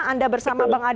anda bersama bang ade